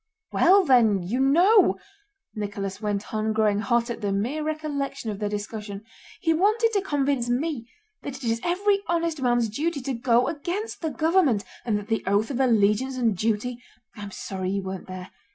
"Well, then, you know," Nicholas went on, growing hot at the mere recollection of their discussion, "he wanted to convince me that it is every honest man's duty to go against the government, and that the oath of allegiance and duty... I am sorry you weren't there.